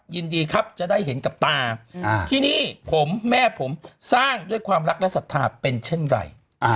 ยินดีครับจะได้เห็นกับตาที่นี่ผมแม่ผมสร้างด้วยความรักและศรัทธาเป็นเช่นไร